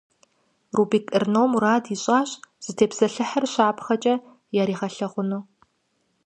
Рубик Эрно мурад ищIащ зытепсэлъыхьыр щапхъэкIэ яригъэлъэгъуну.